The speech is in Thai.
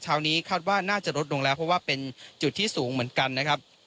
นี้คาดว่าน่าจะลดลงแล้วเพราะว่าเป็นจุดที่สูงเหมือนกันนะครับ